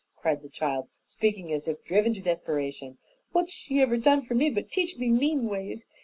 cried the child, speaking as if driven to desperation. "What's she ever done for me but teach me mean ways?